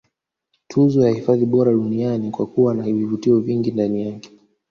Tuzo ya hifadhi bora duniani kwa kuwa na vivutio vingi ndani yake